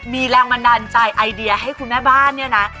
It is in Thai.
มีแรงบันดาลใจไอเดียให้คุณแม่บ้านเนี่ยนะ